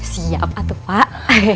siap atuh pak